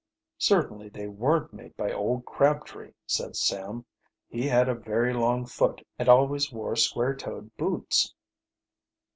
"Certainly they weren't made by old Crabtree," said Sam. "He had a very long foot and always wore square toed boots."